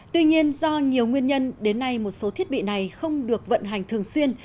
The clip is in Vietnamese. tuy nhiên do nhiều nguyên nhân đến nay một số thiết bị này không được vận hành thường xuyên